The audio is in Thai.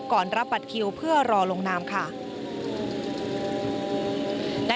รับบัตรคิวเพื่อรอลงนามค่ะ